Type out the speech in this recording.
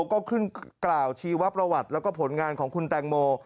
ก็ขึ้นกล่าวชีวประวัติแล้วก็ผลงานของคุณแตงโม